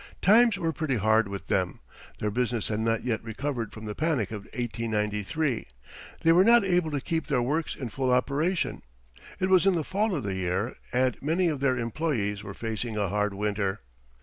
Times were pretty hard with them; their business had not yet recovered from the panic of 1893, they were not able to keep their works in full operation; it was in the fall of the year and many of their employees were facing a hard winter.